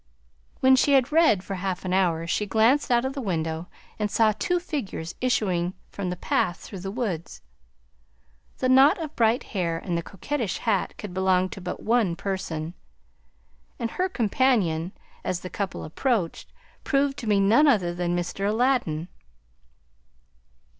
When she had read for half an hour she glanced out of the window and saw two figures issuing from the path through the woods. The knot of bright hair and the coquettish hat could belong to but one person; and her companion, as the couple approached, proved to be none other than Mr. Aladdin.